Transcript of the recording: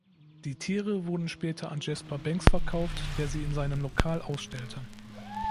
Die Tiere wurden später an Jasper Banks verkauft, der sie in seinem Lokal ausstellte.